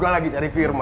kau tak bisa mencoba